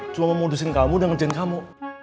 cuma mau mudusin kamu dan ngerjain kamu